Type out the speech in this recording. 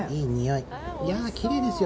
いやぁきれいですよ